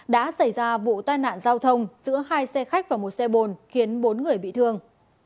đã xảy ra vụ tai nạn giao thông giữa hai xe khách và một xe bồn khiến bốn người bị thương